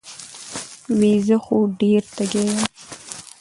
وې زۀ خو ډېر تږے يم